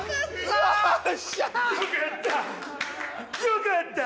よかった！